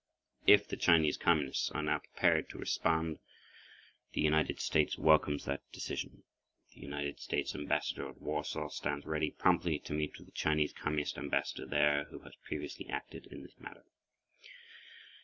If the Chinese Communists are now prepared to respond, the United States welcomes that decision. The United States Ambassador at Warsaw stands ready promptly to meet with the Chinese Communist Ambassador there, who has previously acted in this matter.